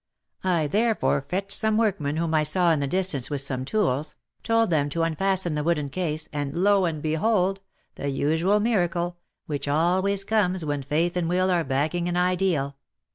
I therefore fetched some workmen whom I saw in the distance with some tools, told them to unfasten the wooden case, and lo and behold ! the usual miracle ! which always comes when faith and will are backing an Ideal.